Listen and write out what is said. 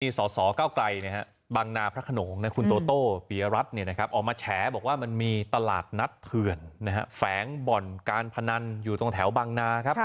สสเก้าไกลบางนาพระขนงคุณโตโต้ปียรัฐออกมาแฉบอกว่ามันมีตลาดนัดเถื่อนแฝงบ่อนการพนันอยู่ตรงแถวบังนาครับ